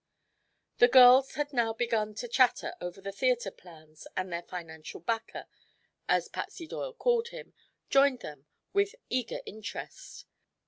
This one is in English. The girls had now begun to chatter over the theatre plans, and their "financial backer" as Patsy Doyle called him joined them with eager interest.